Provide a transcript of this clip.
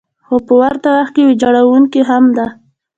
خو په ورته وخت کې ویجاړونکې هم ده.